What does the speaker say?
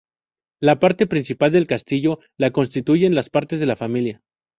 La parte principal del castillo la constituyen las partes de la familia.